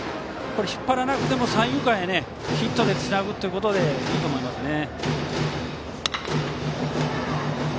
引っ張らなくても三遊間にヒットでつなぐことでいいと思いますね。